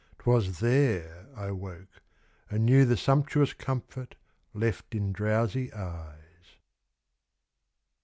'Twas there I woke and knew The sumptuous comfort left in drowsy eyes.